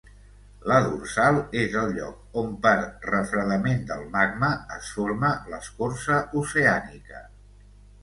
La dorsal és el lloc on per refredament del magma, es forma l'escorça oceànica.